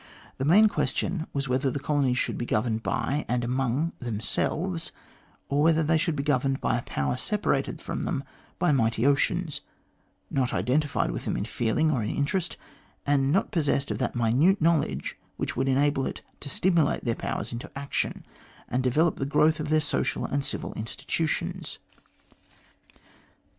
The main question was, whether colonies should be governed by, and among themselves, or whether they should be governed by a Power separated from them by mighty oceans, not identified with them in feeling or in interest, and not possessed of that minute knowledge which would enable it to stimulate their powers into action, and develop the growth of their social and civil institutions.